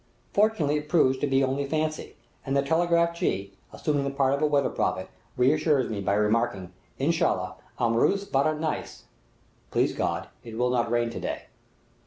Fortunately it proves to be only fancy, and the telegraph jee, assuming the part of a weather prophet, reassures me by remarking, "Inshalla, am roos, baran neis" (Please God, it will not rain to day).